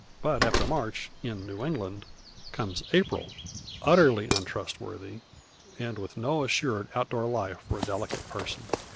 But after March, in New England, comes April, utterly untrustworthy, and with no assured out door life for a delicate person.